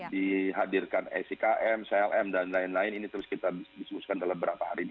dihadirkan sikm clm dan lain lain ini terus kita diskusikan dalam beberapa hari ini